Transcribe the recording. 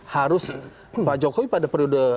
harus pak jokowi pada periode